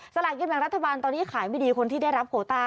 สลากินแบ่งรัฐบาลตอนนี้ขายไม่ดีคนที่ได้รับโคต้า